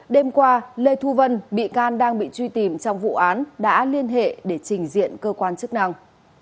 đêm qua lê thu vân bị can đang bị truy tìm trong vụ án đã liên hệ để trình diện cơ quan chức năng